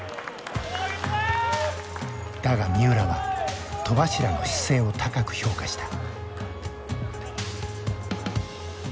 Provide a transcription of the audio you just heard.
だが三浦は戸柱の姿勢を高く評価した。